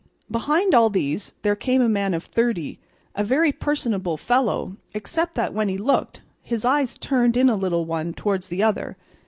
Behind all these there came a man of thirty, a very personable fellow, except that when he looked, his eyes turned in a little one towards the other.